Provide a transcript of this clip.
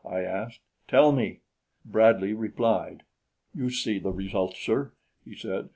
I asked. "Tell me!" Bradley replied. "You see the result, sir," he said.